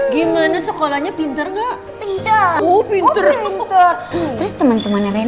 gimana sekolahnya pinter gak pintar pintar